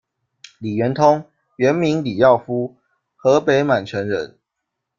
李圆通，原名李药夫，河北满城人。